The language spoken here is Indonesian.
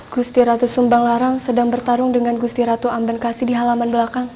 gusti ratu sumbanglarang sedang bertarung dengan gusti ratu ambenkasi di halaman belakang